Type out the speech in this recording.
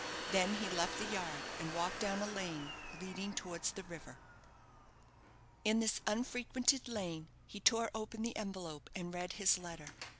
Then he left the yard, and walked down a lane leading towards the river. In this unfrequented lane he tore open the envelope, and read his letter.